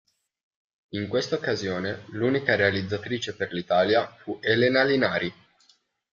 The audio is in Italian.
In questa occasione l'unica realizzatrice per l'Italia fu Elena Linari.